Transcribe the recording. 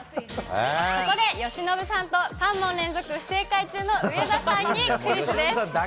ここで由伸さんと、３問連続不正解中の上田さんにクイズです。